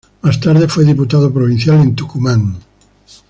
Más tarde fue diputado provincial en Tucumán.